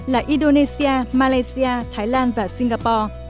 là indonesia malaysia thái lan và singapore